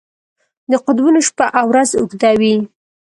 د قطبونو شپه او ورځ اوږده وي.